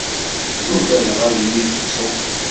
Ugadeɣ ad iyi-tettu.